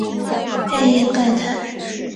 瑞伊盖泰。